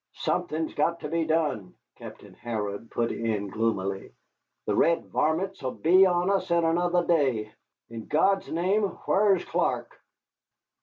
"Something's got to be done," Captain Harrod put in gloomily; "the red varmints 'll be on us in another day. In God's name, whar is Clark?"